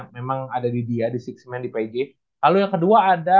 memang ada di dia di enam man di pg lalu yang kedua ada